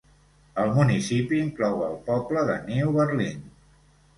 El municipi inclou el poble de New Berlin.